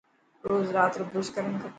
روز رات رو برش ڪرڻ کپي.